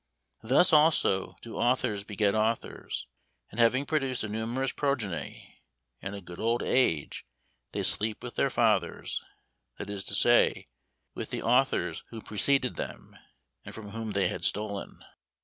Thus, also, do authors beget authors, and having produced a numerous progeny, in a good old age they sleep with their fathers, that is to say, with the authors who preceded them and from whom they had stolen.